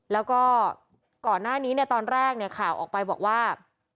แล้วก็ก่อนหน้านี้ตอนแรกข่าวออกไปบอกว่า